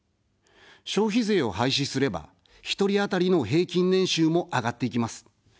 消費税を廃止すれば、１人当たりの平均年収も上がっていきます。